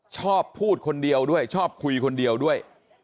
ชอบพูดคนเดียวด้วยชอบคุยคนเดียวด้วย